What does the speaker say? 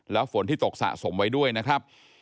แล้วฝนที่ตกสะสมไว้ด้วยนะครับ